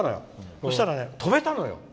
そうしたら飛べたのよ。